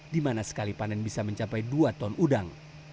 di mana sekali panen bisa mencapai dua ton udang